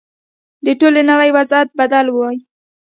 د ټولې نړۍ وضعیت بدل وای.